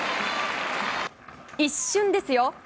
一瞬ですよ。